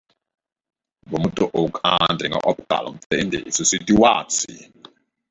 We moeten ook aandringen op kalmte in deze situatie.